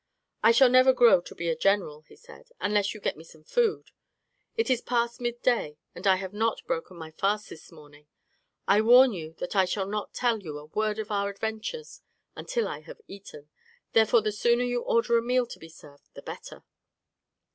"I shall never grow to be a general," he said, "unless you get me some food; it is past midday, and I have not broken my fast this morning. I warn you that I shall not tell you a word of our adventures until I have eaten, therefore the sooner you order a meal to be served the better."